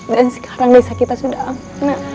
dan sekarang desa kita sudah amat